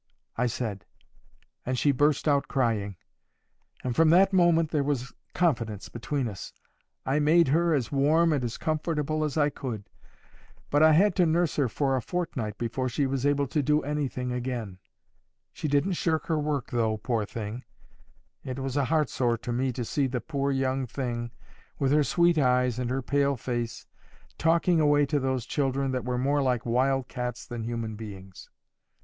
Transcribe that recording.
I said; and she burst out crying, and from that moment there was confidence between us. I made her as warm and as comfortable as I could, but I had to nurse her for a fortnight before she was able to do anything again. She didn't shirk her work though, poor thing. It was a heartsore to me to see the poor young thing, with her sweet eyes and her pale face, talking away to those children, that were more like wild cats than human beings.